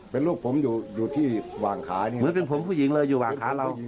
เป็นลูกผมอยู่อยู่ที่วางขานี่เหมือนเป็นผมผู้หญิงเลยอยู่วางขาเรา